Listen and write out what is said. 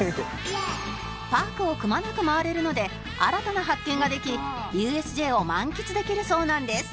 パークをくまなく回れるので新たな発見ができ ＵＳＪ を満喫できるそうなんです